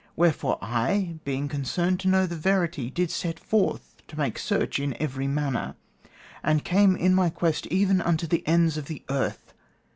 Wherefore I, being concerned to know the verity, did set forth to make search in every manner, and came in my quest even unto the ends of the earth.